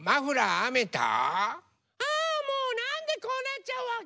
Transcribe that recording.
ああもうなんでこうなっちゃうわけ？